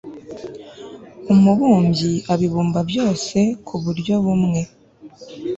umubumbyi abibumba byose ku buryo bumwe